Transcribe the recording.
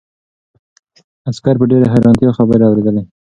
عسکر په ډېرې حیرانتیا خبرې اورېدلې.